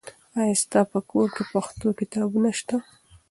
آیا ستا په کور کې پښتو کتابونه سته؟